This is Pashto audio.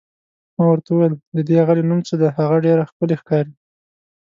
ما ورته وویل: د دې اغلې نوم څه دی، هغه ډېره ښکلې ښکاري؟